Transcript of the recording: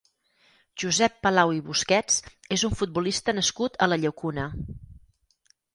Josep Palau i Busquets és un futbolista nascut a la Llacuna.